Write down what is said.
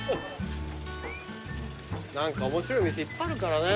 何か面白いお店いっぱいあるからね。